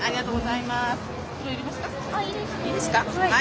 いいです。